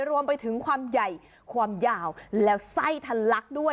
รวมไปถึงความใหญ่ความยาวแล้วไส้ทะลักด้วย